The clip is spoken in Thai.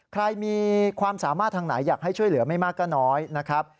ใครมีความสามารถทางไหนอยากให้ช่วยเหลือไม่มากก็น้อยนะครับ